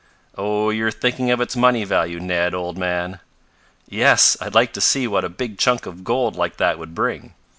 "Oh, you're thinking of its money value, Ned, old man!" "Yes, I'd like to see what a big chunk of gold like that would bring.